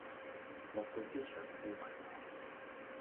落到 D 場四圍撲